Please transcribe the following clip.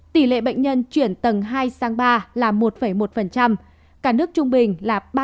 tỷ lệ bệnh nhân chuyển tầng hai sang ba là một một cả nước trung bình là ba mươi